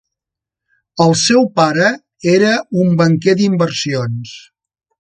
El seu pare era un banquer d'inversions.